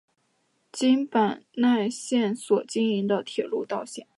京阪奈线所经营的铁道路线。